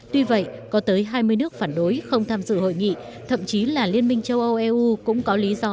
tuy vậy có tới hai mươi nước phản đối không tham dự hội nghị thậm chí là liên minh châu âu eu cũng có lý do